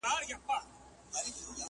د کونړ تر یکه زاره نن جاله له کومه راوړو؛